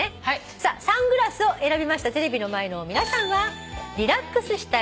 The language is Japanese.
さあ「サングラス」を選びましたテレビの前の皆さんは。